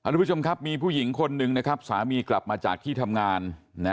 ทุกผู้ชมครับมีผู้หญิงคนหนึ่งนะครับสามีกลับมาจากที่ทำงานนะ